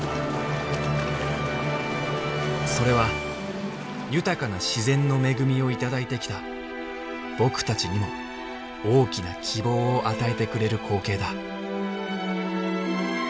それは豊かな自然の恵みを頂いてきた僕たちにも大きな希望を与えてくれる光景だ。